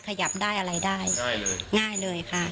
ขยับได้อะไรได้เลยง่ายเลยค่ะ